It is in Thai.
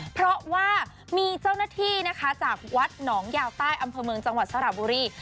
เพราะว่ามีเจ้าหน้าที่นะคะจากวัดหนองยาวใต้อำเภอเมืองจังหวัดสระบุรี